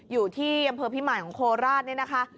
อยู่ที่อำเภอพิมายของโคราชเนี่ยนะคะ